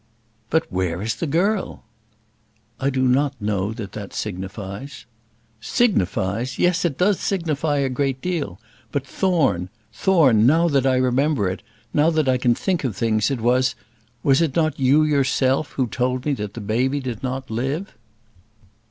"But where is the girl?" "I do not know that that signifies." "Signifies! Yes; it does signify a great deal. But, Thorne, Thorne, now that I remember it, now that I can think of things, it was was it not you yourself who told me that the baby did not live?"